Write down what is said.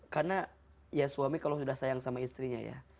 karena ya suami kalau sudah sayang sama istrinya ya